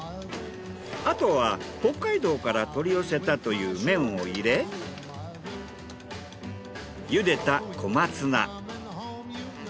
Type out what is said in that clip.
あとは北海道から取り寄せたという麺を入れ茹でた小松菜。